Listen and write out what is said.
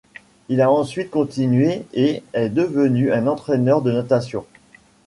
Il a ensuite continué et est devenu un entraîneur de natation.